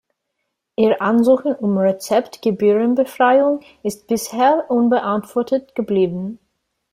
Ihr Ansuchen um Rezeptgebührenbefreiung ist bisher unbeantwortet geblieben.